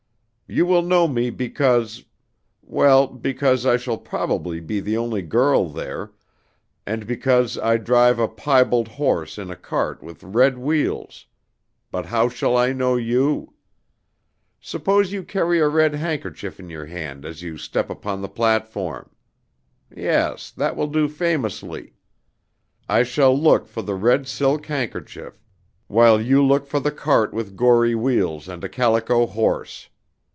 You will know me because well, because I shall probably be the only girl there, and because I drive a piebald horse in a cart with red wheels but how shall I know you? Suppose you carry a red handkerchief in your hand as you step upon the platform. Yes, that will do famously. I shall look for the red silk handkerchief, while you look for the cart with gory wheels and a calico horse.